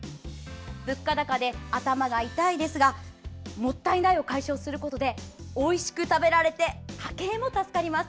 物価高で頭が痛いですがもったいないを解消することでおいしく食べられて家計も助かります。